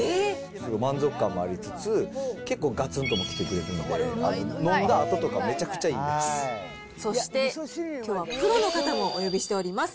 満足感もありつつ、結構がつんともきてくれるんで、飲んだあととか、めちゃくちゃいそして、きょうはプロの方もお呼びしております。